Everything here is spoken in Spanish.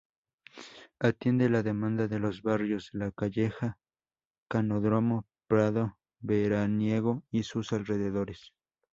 Atiende la demanda de los barrios La Calleja, Canódromo, Prado Veraniego y sus alrededores.